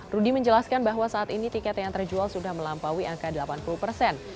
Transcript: rudy menjelaskan bahwa saat ini tiket yang terjual sudah melampaui angka delapan puluh persen